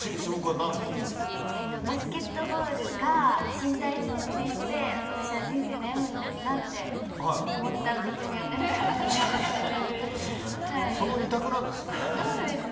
バスケットボールか新体操の選手で私は人生悩むんだろうなって思ってたらどっちもやってなかったです。